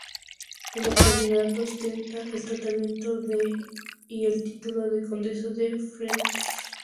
En la actualidad ostenta el tratamiento de y el título de condesa de Frederiksborg.